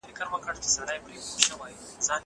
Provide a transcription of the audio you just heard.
کېدای سي ليکنه سخته وي!!